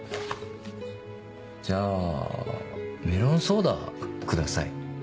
じゃあメロンソーダください。